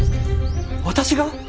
私が！？